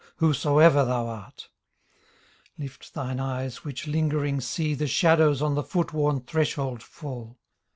Whosoever thou art. Lift thine eyes which Hngering see The shadows on the foot worn threshold fall.